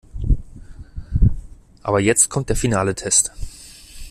Aber jetzt kommt der finale Test.